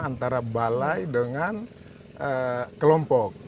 antara balai dengan kelompok